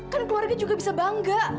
kan keluarga juga bisa bangga